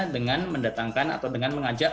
dengan mendatangkan atau dengan mengajak